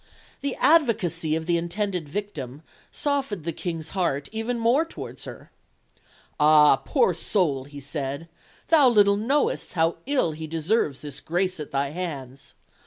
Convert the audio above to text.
The advocacy of the intended victim softened the King's heart even more towards her. "Ah, poor soul," he said, "thou little knowest how ill he deserves this grace at thy hands.